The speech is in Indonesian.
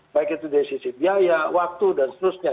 baik itu dari sisi biaya waktu dan seterusnya